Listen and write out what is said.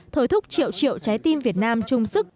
thổi thúc triệu triệu trái tim việt nam chung sức